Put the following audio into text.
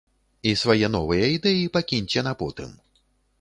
І свае новыя ідэі пакіньце на потым.